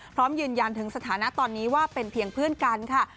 พร้อมยืนยันถึงสถานะตอนนี้ว่าเป็นเพียงเพื่อนกันค่ะ